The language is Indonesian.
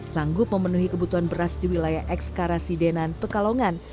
sanggup memenuhi kebutuhan beras di wilayah ekskarasi denan pekalongan